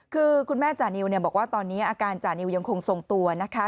คือคุณแม่จานิวบอกว่าตอนนี้อาการจานิวยังคงทรงตัวนะคะ